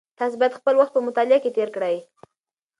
تاسو باید خپل وخت په مطالعه کې تېر کړئ.